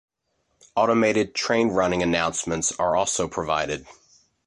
Automated train running announcements are also provided.